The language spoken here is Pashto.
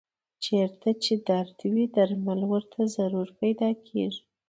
چېرته چې درد وي درمل ورته ضرور پیدا کېږي.